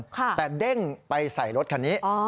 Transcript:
แต่เด้งไปใส่รถคันนี้